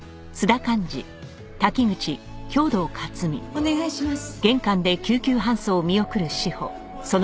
お願いします。